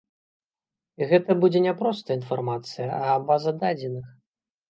І гэта будзе не проста інфармацыя, а база дадзеных.